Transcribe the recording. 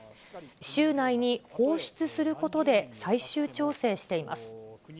週内に放出することで最終調整しています。